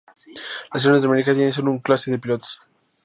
La serie norteamericana tiene sólo una clase de pilotos.